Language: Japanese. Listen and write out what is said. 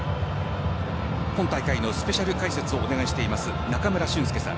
今大会のスペシャル解説をお願いしています中村俊輔さん